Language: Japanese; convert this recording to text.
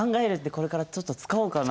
これからちょっと使おうかな。